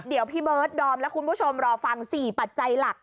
เดี๋ยวพี่เบิร์ดดอมและคุณผู้ชมรอฟัง๔ปัจจัยหลัก